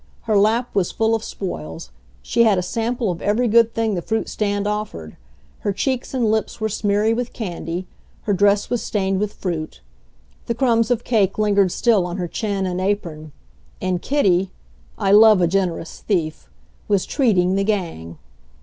Her lap was full of spoils. She had a sample of every good thing the fruit stand offered. Her cheeks and lips were smeary with candy. Her dress was stained with fruit. The crumbs of cake lingered still on her chin and apron. And Kitty I love a generous thief was treating the gang.